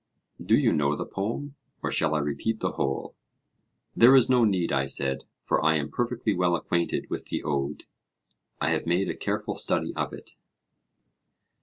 Do you know the poem? or shall I repeat the whole? There is no need, I said; for I am perfectly well acquainted with the ode, I have made a careful study of it.